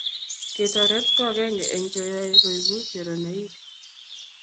Ketoret ko akenge eng che yoe koibu choronoik.